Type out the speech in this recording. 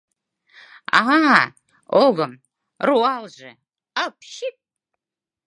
А-а... огым... руалже... а-апчик!